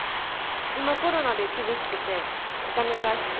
今コロナで厳しくてお金が必要なんです。